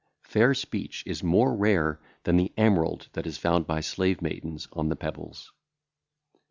Fair speech is more rare than the emerald that is found by slave maidens on the pebbles.